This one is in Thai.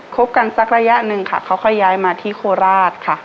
คบกันสักระยะหนึ่งค่ะเขาค่อยย้ายมาที่โคราชค่ะ